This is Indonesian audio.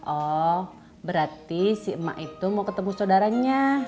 oh berarti si emak itu mau ketemu saudaranya